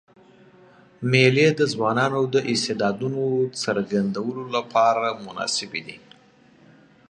مېلې د ځوانانو د استعدادونو څرګندولو له پاره مناسبي دي.